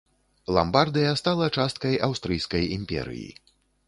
Ламбардыя стала часткай аўстрыйскай імперыі.